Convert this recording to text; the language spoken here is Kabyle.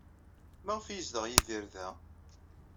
Maɣef ay yezdeɣ Yidir da?